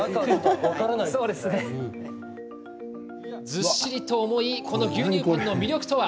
ずっしりと重いこの牛乳パンの魅力とは。